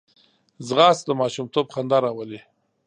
ځغاسته د ماشومتوب خندا راولي